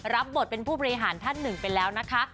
รับบทเป็นผู้บริหารท่านหนึ่งไปแล้วนะคะ